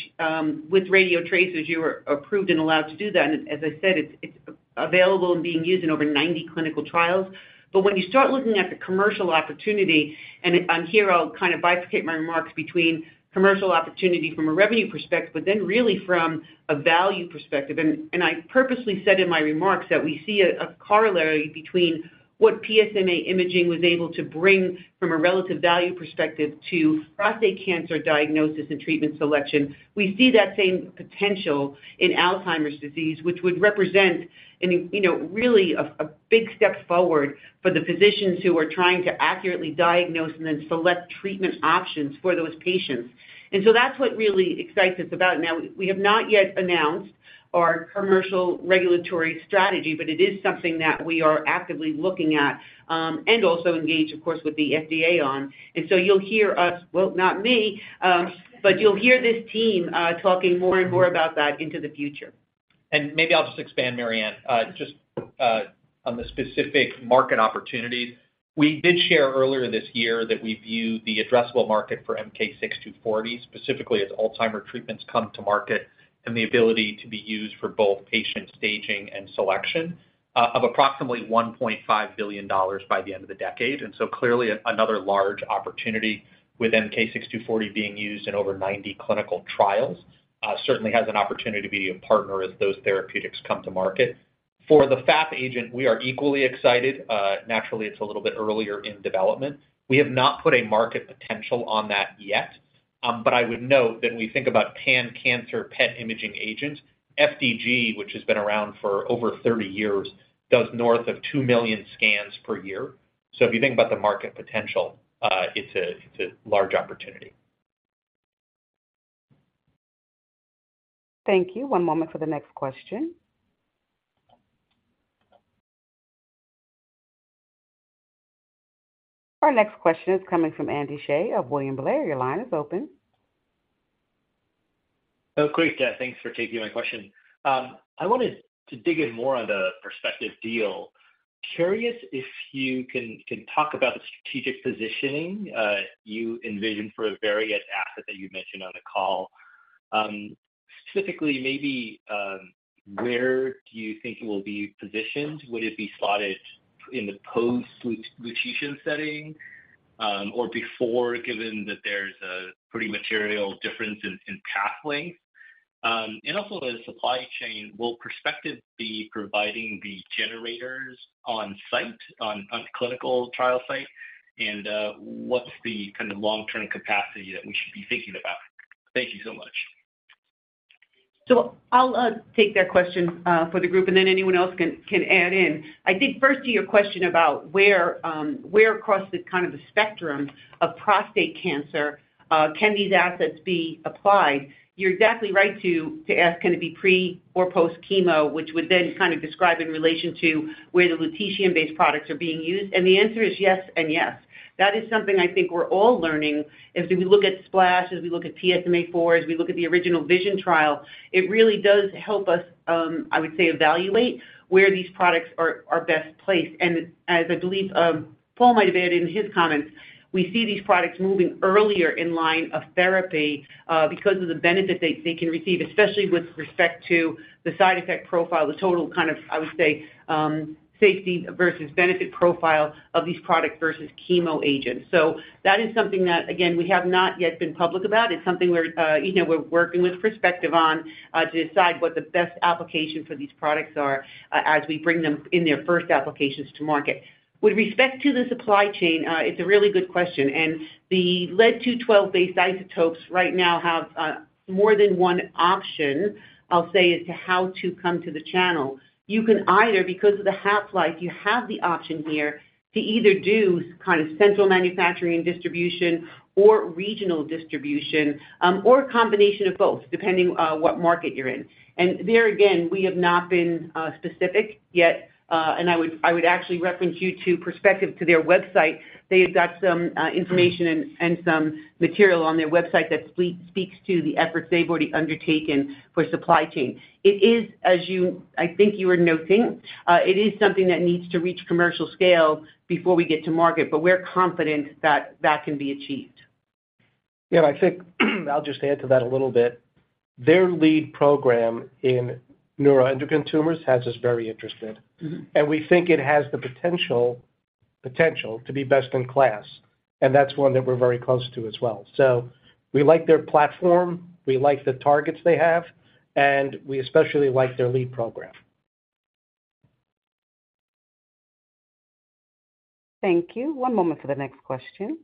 with Radiotracers, you were approved and allowed to do that. And as I said, it's available and being used in over 90 clinical trials. But when you start looking at the commercial opportunity and here, I'll kind of bifurcate my remarks between commercial opportunity from a revenue perspective, but then really from a value perspective. And I purposely said in my remarks that we see a corollary between what PSMA imaging was able to bring from a relative value perspective to prostate cancer diagnosis and treatment selection. We see that same potential in Alzheimer's disease, which would represent really a big step forward for the physicians who are trying to accurately diagnose and then select treatment options for those patients. And so that's what really excites us about it. Now, we have not yet announced our commercial regulatory strategy, but it is something that we are actively looking at and also engaged, of course, with the FDA on. And so you'll hear us well, not me, but you'll hear this team talking more and more about that into the future. And maybe I'll just expand, Mary Anne, just on the specific market opportunities. We did share earlier this year that we view the addressable market for MK-6240, specifically as Alzheimer's treatments come to market and the ability to be used for both patient staging and selection, of approximately $1.5 billion by the end of the decade. And so clearly, another large opportunity with MK-6240 being used in over 90 clinical trials certainly has an opportunity to be a partner as those therapeutics come to market. For the FAP agent, we are equally excited. Naturally, it's a little bit earlier in development. We have not put a market potential on that yet. But I would note that when we think about pan-cancer PET imaging agents, FDG, which has been around for over 30 years, does north of 2 million scans per year. If you think about the market potential, it's a large opportunity. Thank you. One moment for the next question. Our next question is coming from Andy Hsieh of William Blair. Your line is open. Oh, great. Thanks for taking my question. I wanted to dig in more on the Perspective deal. Curious if you can talk about the strategic positioning you envision for the various assets that you mentioned on the call. Specifically, maybe where do you think it will be positioned? Would it be slotted in the post-lutetium setting or before, given that there's a pretty material difference in path length? And also in the supply chain, will Perspective be providing the generators on-site, on clinical trial site, and what's the kind of long-term capacity that we should be thinking about? Thank you so much. So I'll take that question for the group, and then anyone else can add in. I think first to your question about where across kind of the spectrum of prostate cancer can these assets be applied, you're exactly right to ask, can it be pre or post-chemo, which would then kind of describe in relation to where the lutetium-based products are being used. And the answer is yes and yes. That is something I think we're all learning. As we look at SPLASH, as we look at PSMAfore, as we look at the original VISION trial, it really does help us, I would say, evaluate where these products are best placed. And as I believe Paul might have added in his comments, we see these products moving earlier in line of therapy because of the benefit that they can receive, especially with respect to the side effect profile, the total kind of, I would say, safety versus benefit profile of these products versus chemo agents. So that is something that, again, we have not yet been public about. It's something we're working with Perspective on to decide what the best application for these products are as we bring them in their first applications to market. With respect to the supply chain, it's a really good question. And the Lead-212-based isotopes right now have more than one option, I'll say, as to how to come to the channel. You can either because of the half-life, you have the option here to either do kind of central manufacturing and distribution or regional distribution or a combination of both, depending on what market you're in. And there again, we have not been specific yet. And I would actually reference you to Perspective to their website. They have got some information and some material on their website that speaks to the efforts they've already undertaken for supply chain. It is, as I think you were noting, it is something that needs to reach commercial scale before we get to market. But we're confident that that can be achieved. Yeah. I think I'll just add to that a little bit. Their lead program in neuroendocrine tumors has us very interested. We think it has the potential to be best in class. That's one that we're very close to as well. We like their platform. We like the targets they have. We especially like their lead program. Thank you. One moment for the next question.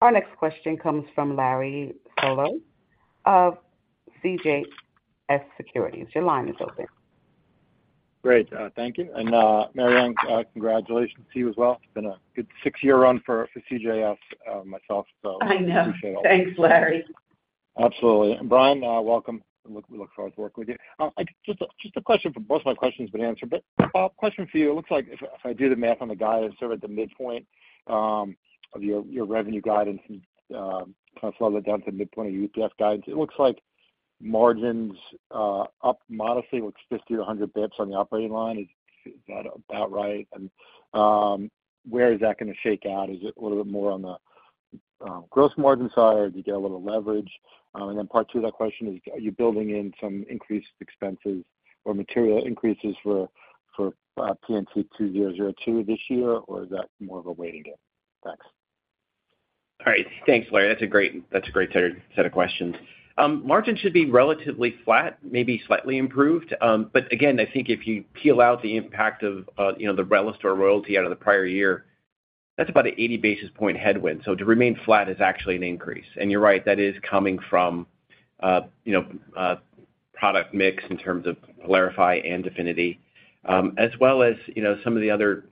Our next question comes from Larry Solow of CJS Securities. Your line is open. Great. Thank you. And Mary Anne, congratulations to you as well. It's been a good six-year run for CJS myself, so I appreciate all that. I know. Thanks, Larry. Absolutely. Brian, welcome. We look forward to working with you. Just a question for both of my questions but answered. But question for you. It looks like if I do the math on the guidance sort of at the midpoint of your revenue guidance and kind of flow that down to the midpoint of EPS guidance, it looks like margins up modestly. It looks 50-100 basis points on the operating line. Is that about right? And where is that going to shake out? Is it a little bit more on the gross margin side, or do you get a little leverage? And then part two of that question is, are you building in some increased expenses or material increases for PNT2002 this year, or is that more of a waiting game? Thanks. All right. Thanks, Larry. That's a great set of questions. Margins should be relatively flat, maybe slightly improved. But again, I think if you peel out the impact of the RELISTOR royalty out of the prior year, that's about an 80 basis point headwind. So to remain flat is actually an increase. And you're right. That is coming from product mix in terms of PYLARIFY and DEFINITY, as well as some of the other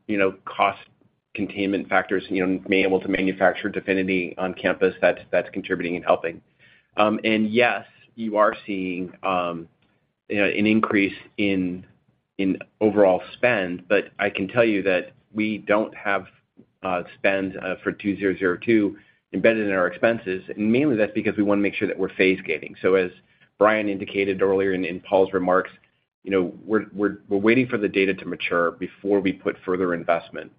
cost-containment factors, being able to manufacture DEFINITY on campus, that's contributing and helping. And yes, you are seeing an increase in overall spend. But I can tell you that we don't have spend for 2002 embedded in our expenses. And mainly, that's because we want to make sure that we're phase-gating. So as Brian indicated earlier in Paul's remarks, we're waiting for the data to mature before we put further investment.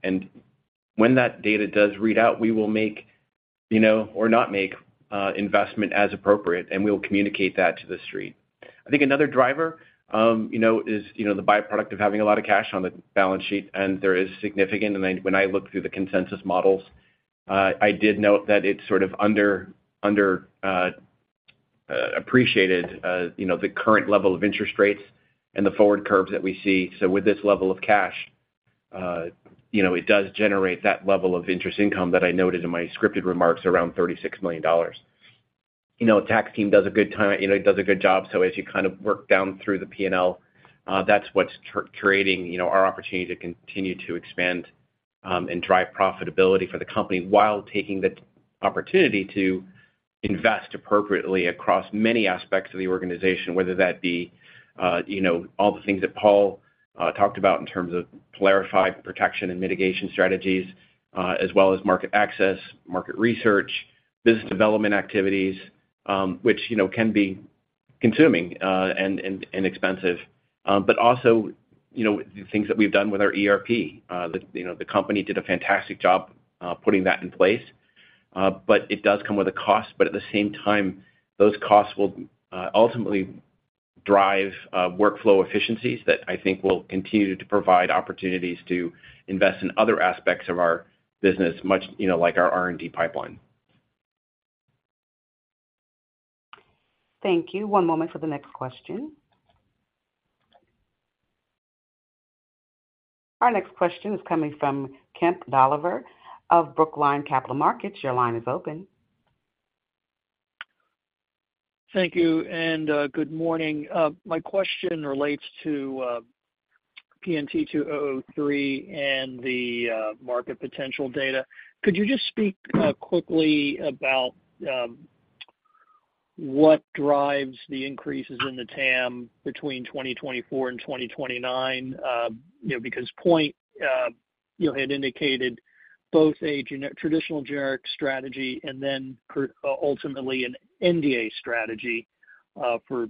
When that data does read out, we will make or not make investment as appropriate, and we'll communicate that to the Street. I think another driver is the byproduct of having a lot of cash on the balance sheet, and there is significant and when I look through the consensus models, I did note that it's sort of underappreciated, the current level of interest rates and the forward curves that we see. So with this level of cash, it does generate that level of interest income that I noted in my scripted remarks around $36 million. The tax team does a good job. It does a good job. So as you kind of work down through the P&L, that's what's creating our opportunity to continue to expand and drive profitability for the company while taking the opportunity to invest appropriately across many aspects of the organization, whether that be all the things that Paul talked about in terms of PYLARIFY protection and mitigation strategies, as well as market access, market research, business development activities, which can be consuming and expensive, but also the things that we've done with our ERP. The company did a fantastic job putting that in place. But it does come with a cost. But at the same time, those costs will ultimately drive workflow efficiencies that I think will continue to provide opportunities to invest in other aspects of our business, much like our R&D pipeline. Thank you. One moment for the next question. Our next question is coming from Kemp Dolliver of Brookline Capital Markets. Your line is open. Thank you. And good morning. My question relates to PNT2003 and the market potential data. Could you just speak quickly about what drives the increases in the TAM between 2024 and 2029? Because POINT had indicated both a traditional generic strategy and then ultimately an NDA strategy for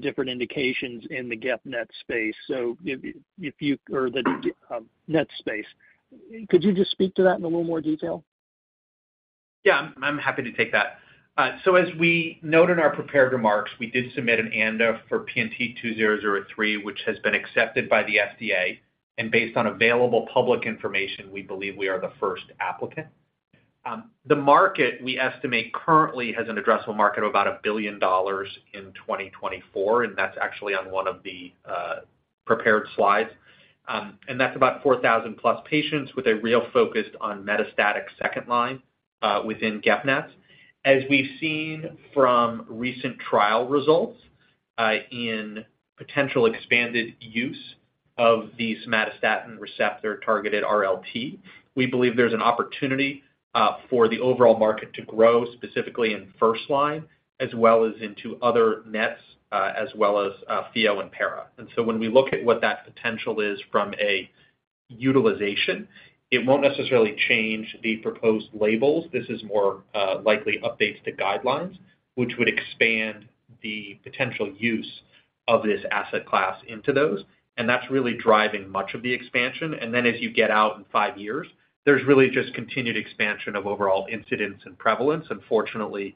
different indications in the GEP-NET space, so if you or the NET space. Could you just speak to that in a little more detail? Yeah. I'm happy to take that. So as we note in our prepared remarks, we did submit an ANDA for PNT2003, which has been accepted by the FDA. And based on available public information, we believe we are the first applicant. The market we estimate currently has an addressable market of about $1 billion in 2024. And that's actually on one of the prepared slides. And that's about 4,000+ patients with a real focus on metastatic second line within GEP-NET. As we've seen from recent trial results in potential expanded use of these somatostatin receptor-targeted RLT, we believe there's an opportunity for the overall market to grow specifically in first line as well as into other NETs as well as pheo and para. And so when we look at what that potential is from a utilization, it won't necessarily change the proposed labels. This is more likely updates to guidelines, which would expand the potential use of this asset class into those. That's really driving much of the expansion. Then as you get out in five years, there's really just continued expansion of overall incidence and prevalence. Unfortunately,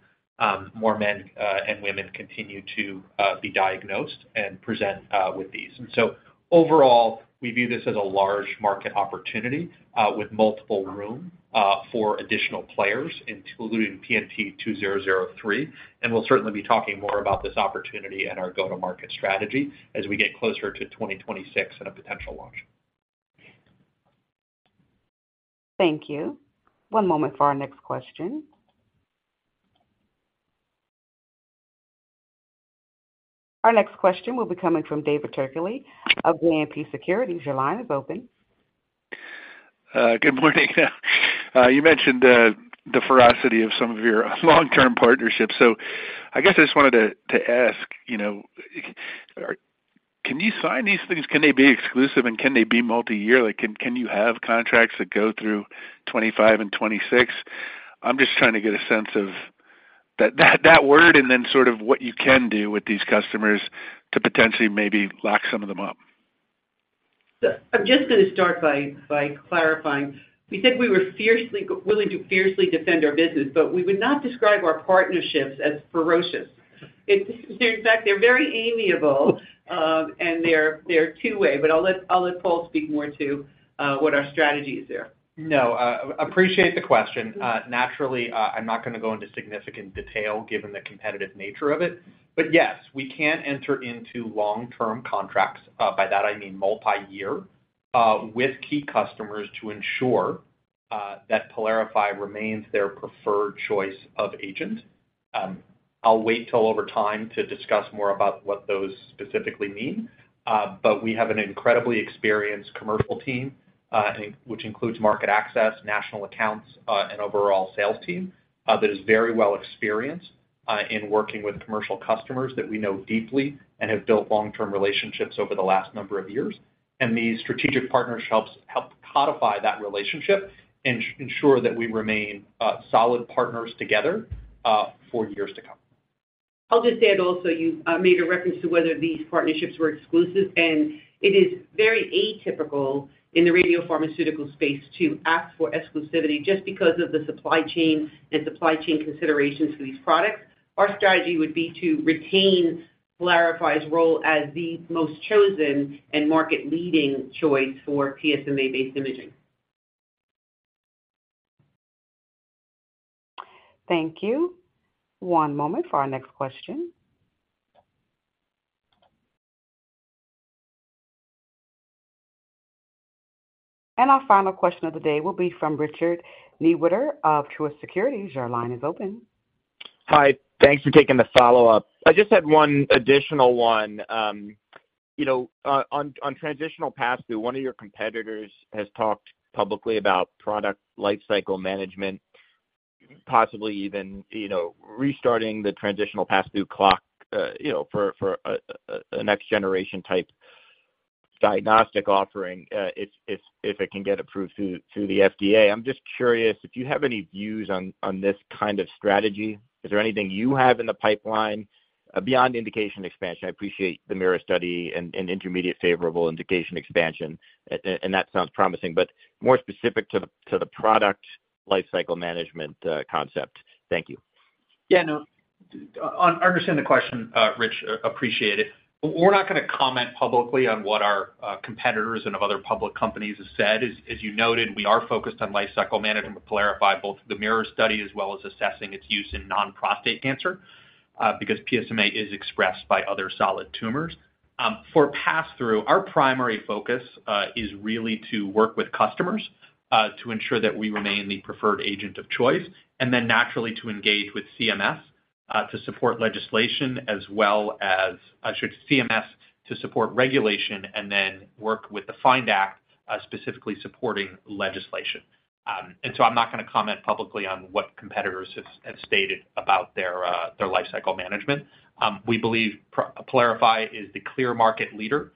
more men and women continue to be diagnosed and present with these. So overall, we view this as a large market opportunity with multiple room for additional players, including PNT2003. We'll certainly be talking more about this opportunity and our go-to-market strategy as we get closer to 2026 and a potential launch. Thank you. One moment for our next question. Our next question will be coming from David Turkaly of JMP Securities. Your line is open. Good morning. You mentioned the ferocity of some of your long-term partnerships. So I guess I just wanted to ask, can you sign these things? Can they be exclusive, and can they be multiyearly? Can you have contracts that go through 2025 and 2026? I'm just trying to get a sense of that word and then sort of what you can do with these customers to potentially maybe lock some of them up. I'm just going to start by clarifying. We said we were willing to fiercely defend our business, but we would not describe our partnerships as ferocious. In fact, they're very amiable, and they're two-way. But I'll let Paul speak more to what our strategy is there. No. Appreciate the question. Naturally, I'm not going to go into significant detail given the competitive nature of it. But yes, we can enter into long-term contracts. By that, I mean multiyear with key customers to ensure that PYLARIFY remains their preferred choice of agent. I'll wait till over time to discuss more about what those specifically mean. But we have an incredibly experienced commercial team, which includes market access, national accounts, and overall sales team that is very well experienced in working with commercial customers that we know deeply and have built long-term relationships over the last number of years. And these strategic partnerships help codify that relationship and ensure that we remain solid partners together for years to come. I'll just add also, you made a reference to whether these partnerships were exclusive. It is very atypical in the radiopharmaceutical space to ask for exclusivity just because of the supply chain and supply chain considerations for these products. Our strategy would be to retain PYLARIFY's role as the most chosen and market-leading choice for PSMA-based imaging. Thank you. One moment for our next question. Our final question of the day will be from Richard Newitter of Truist Securities. Your line is open. Hi. Thanks for taking the follow-up. I just had one additional one. On Transitional Pass-Through, one of your competitors has talked publicly about product lifecycle management, possibly even restarting the Transitional Pass-Through clock for a next-generation type diagnostic offering if it can get approved through the FDA. I'm just curious if you have any views on this kind of strategy. Is there anything you have in the pipeline beyond indication expansion? I appreciate the MIRROR study and intermediate favorable indication expansion. And that sounds promising. But more specific to the product lifecycle management concept, thank you. Yeah. No. I understand the question, Rich. Appreciate it. We're not going to comment publicly on what our competitors and of other public companies have said. As you noted, we are focused on lifecycle management with PYLARIFY, both the MIRROR study as well as assessing its use in non-prostate cancer because PSMA is expressed by other solid tumors. For pass-through, our primary focus is really to work with customers to ensure that we remain the preferred agent of choice and then, naturally, to engage with CMS to support legislation as well as I should, CMS to support regulation and then work with the FIND Act specifically supporting legislation. And so I'm not going to comment publicly on what competitors have stated about their lifecycle management. We believe PYLARIFY is the clear market leader.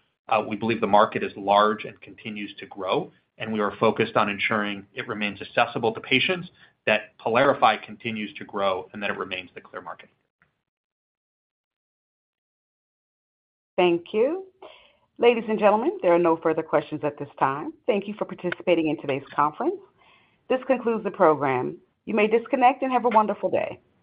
We believe the market is large and continues to grow. We are focused on ensuring it remains accessible to patients, that PYLARIFY continues to grow, and that it remains the clear market leader. Thank you. Ladies and gentlemen, there are no further questions at this time. Thank you for participating in today's conference. This concludes the program. You may disconnect and have a wonderful day.